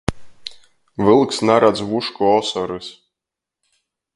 Vylks naradz vušku osorys.